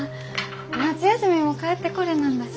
夏休みも帰ってこれなんだし。